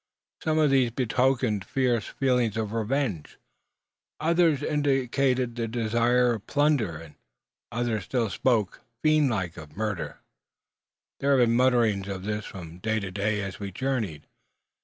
Some of these betokened fierce feelings of revenge; others indicated the desire of plunder; and others still spoke, fiend like, of murder! There had been mutterings of this from day to day as we journeyed.